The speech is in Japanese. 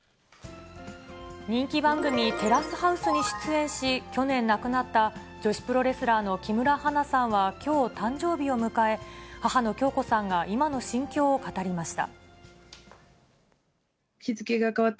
人気番組、テラスハウスに出演し、去年亡くなった女子プロレスラーの木村花さんはきょう、誕生日を迎え、母の響子さんが今の心境を語りました。